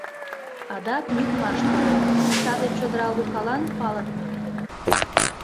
Адак лӱдмаш тольо, саде чодыра Лукалан палыдыме лийын.